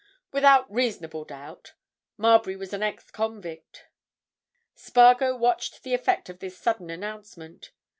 "Without reasonable doubt. Marbury was an ex convict." Spargo watched the effect of this sudden announcement.